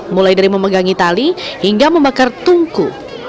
mulai dari memegangi tali hingga membakar tungku